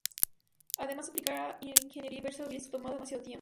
Además, aplicar ingeniería inversa hubiese tomado demasiado tiempo.